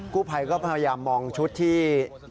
ผู้ภัยก็พยายามมองชุดที่